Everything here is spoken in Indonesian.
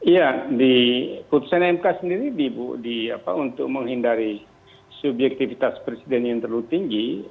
ya di putusan mk sendiri untuk menghindari subjektivitas presiden yang terlalu tinggi